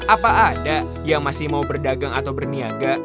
apa ada yang masih mau berdagang atau berniaga